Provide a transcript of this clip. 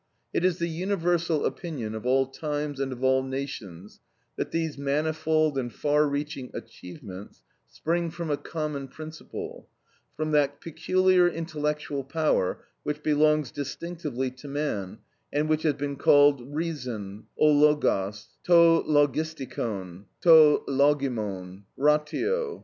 It is the universal opinion of all times and of all nations that these manifold and far reaching achievements spring from a common principle, from that peculiar intellectual power which belongs distinctively to man and which has been called reason, ὁ λογος, το λογιστικον, το λογιμον, ratio.